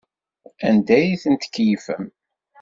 Anda ay ten-tkeyyfem?